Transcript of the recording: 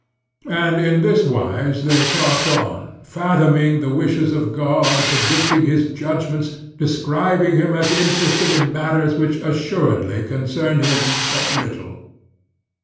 And in this wise they talked on, fathoming the wishes of God, predicting His judgments, describing Him as interested in matters which assuredly concern Him but little.